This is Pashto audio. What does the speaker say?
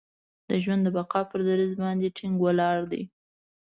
د ژوند د بقا پر دریځ باندې ټینګ ولاړ دی.